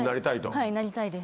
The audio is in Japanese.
はいなりたいです。